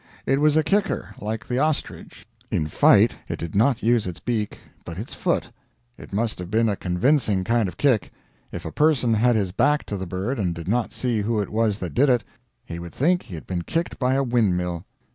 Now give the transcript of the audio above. It was a kicker, like the ostrich; in fight it did not use its beak, but its foot. It must have been a convincing kind of kick. If a person had his back to the bird and did not see who it was that did it, he would think he had been kicked by a wind mill.